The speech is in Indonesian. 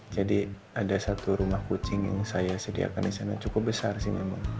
jadi ada satu rumah kucing yang saya sediakan di sana cukup besar sih memang